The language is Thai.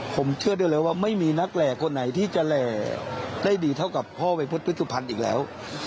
ผมเชื่อด้วยเลยว่าไม่มีนักแหลกคนไหนที่จะแหลกได้ดีเท่ากับข้อเวพธฟิศวิทยุพัฒนธ์อีกแล้ว